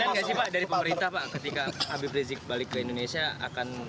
ketika habib rizik balik ke indonesia akan